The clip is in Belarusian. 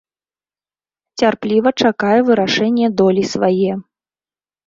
Цярпліва чакае вырашэння долі свае.